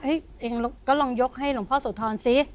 เฮ้ยลองยกให้หลวงพ่อสวทรสิ